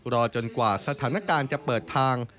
รอจนกว่าสถานการณ์จะเปิดทาง